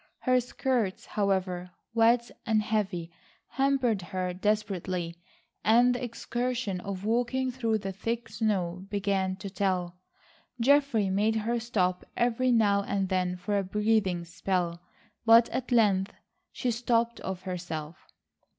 Her skirts, however, wet and heavy, hampered her desperately, and the exertion of walking through the thick snow began to tell. Geoffrey made her stop every now and then for a breathing spell, but at length she stopped of herself.